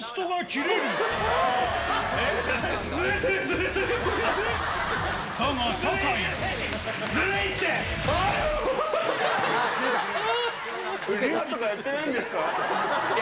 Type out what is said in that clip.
リハとかやってないんですか？